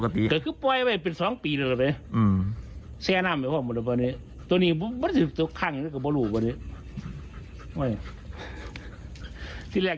แต่พอหนึ่งรู้แล้ว